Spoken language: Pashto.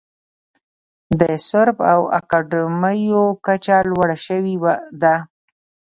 د سرب او کاډمیوم کچه لوړه شوې ده.